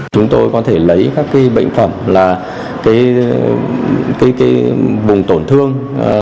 chúng tôi có thể lấy các bệnh phẩm là vùng tổn thương